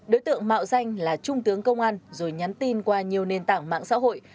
đối tượng mạo danh là trung tướng công an rồi nhắn tin qua nhiều nền tảng mạng xã hội